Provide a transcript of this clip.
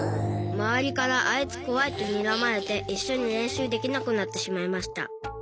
周りからあいつ怖いとにらまれて一緒に練習できなくなってしまいました。